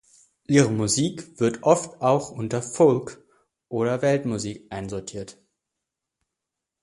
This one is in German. Ihre Musik wird oft auch unter Folk oder Weltmusik einsortiert.